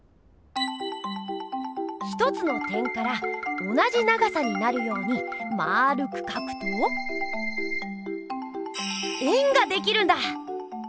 １つの点から同じ長さになるようにまるくかくと円ができるんだ！